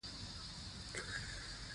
ازادي راډیو د بیکاري ته پام اړولی.